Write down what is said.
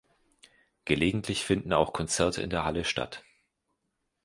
Gelegentlich finden auch Konzerte in der Halle statt.